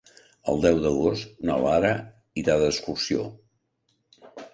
El deu d'agost na Lara irà d'excursió.